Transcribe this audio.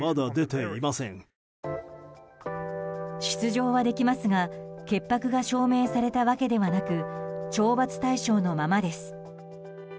出場はできますが潔白が証明されたわけではなく懲罰対象のままです。